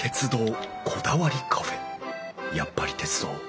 やっぱり鉄道！